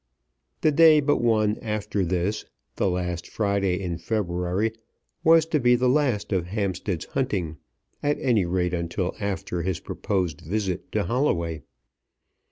The day but one after this, the last Friday in February, was to be the last of Hampstead's hunting, at any rate until after his proposed visit to Holloway.